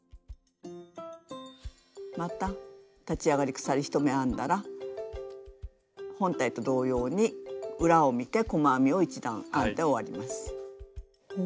また立ち上がり鎖１目編んだら本体と同様に裏を見て細編みを１段編んで終わります。